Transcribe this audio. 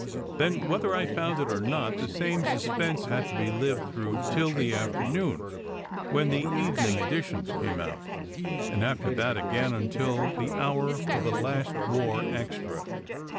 Then, whether I found it or not, the same suspense had to be lived through till the afternoon, when the evening editions came out; SECRET HISTORY 261 and after that again until the hour for the "Last War Extra."